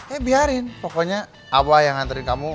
eh biarin pokoknya abah yang nganterin kamu